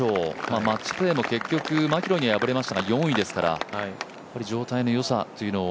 マッチプレーも結局マキロイに敗れましたがやっぱり状態の良さというのを。